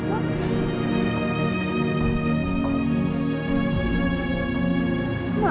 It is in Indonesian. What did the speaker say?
dan untuk kamu